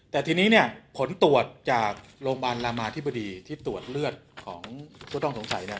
แต่ทีนี้ผลตรวจจากโรงบาลรามาธิบดีที่ตรวจเลือดของผู้ต้องสงสัย